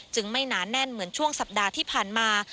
ไม่หนาแน่นเหมือนช่วงสัปดาห์ที่ผ่านมา